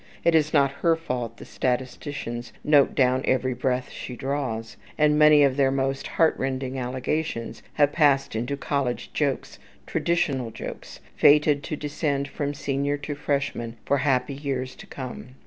It is not her fault that statisticians note down every breath she draws; and many of their most heartrending allegations have passed into college jokes, traditional jokes, fated to descend from senior to freshman for happy years to come.